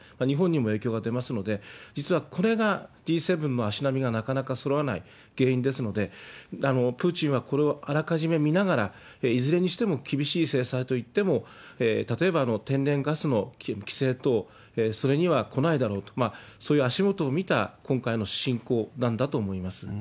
日本にも影響を与えますので、実はこれがＧ７の足並みがなかなかそろわない原因ですので、プーチンはこれをあらかじめ見ながら、いずれにしても厳しい制裁といっても、例えば、天然ガスの規制等、それにはこないだろうと、そういう足もとを見た今回の侵攻なんだと思います。